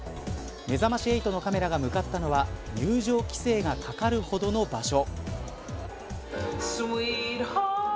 めざまし８のカメラが向かったのは入場規制がかかるほどの場所。